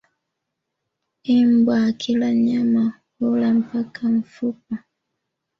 Imbwa akila nyama hula mpaka nfupa